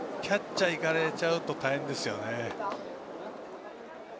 キャッチャーがいかれちゃうと大変ですよね。